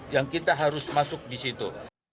yang kita harus masuk di situ